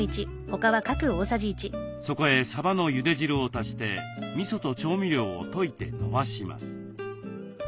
そこへさばのゆで汁を足してみそと調味料を溶いてのばします。